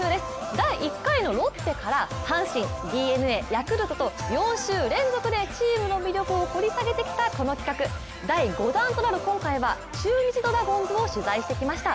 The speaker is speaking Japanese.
第１回のロッテから阪神、ＤｅＮＡ、ヤクルトと４週連続でチームの魅力を掘り下げてきたこの企画第５弾となる今回は、中日ドラゴンズを取材してきました。